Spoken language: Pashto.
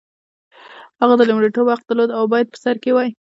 هغه د لومړیتوب حق درلود او باید په سر کې وای.